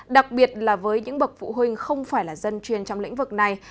đặc biệt là với những bậc phụ huynh không phải là dân chuyên trong lĩnh vực này